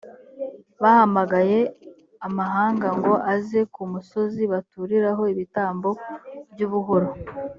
bahamagaye amahanga ngo aze ku musozi baturiraho ibitambo by’ubuhoro;